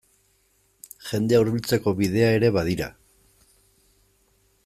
Jendea hurbiltzeko bidea ere badira.